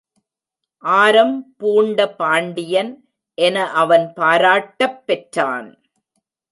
ஆரம் பூண்ட பாண்டியன் என அவன் பாராட்டப் பெற்றான்.